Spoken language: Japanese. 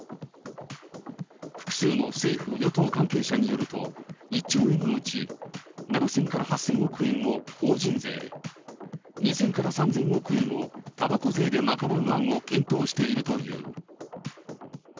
複数の政府・与党関係者によると、１兆円のうち、７０００から８０００億円を法人税、２０００から３０００億円をたばこ税で賄う案を検討しているという。